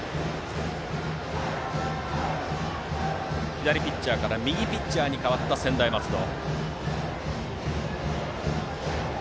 左ピッチャーから右ピッチャーに代わった専大松戸。